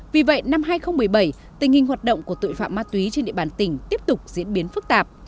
vì vậy năm hai nghìn một mươi bảy tình hình hoạt động của tội phạm ma túy trên địa bàn tỉnh tiếp tục diễn biến phức tạp